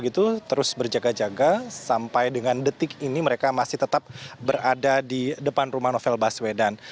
terus berjaga jaga sampai dengan detik ini mereka masih tetap berada di depan rumah novel baswedan